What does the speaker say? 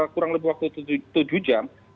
kurang lebih waktu tujuh jam